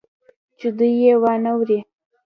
چې دوى يې وانه وري.